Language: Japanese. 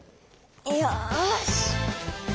よし！